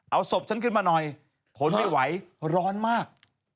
เอาศพฉันขึ้นมาหน่อยทนไม่ไหวร้อนมาก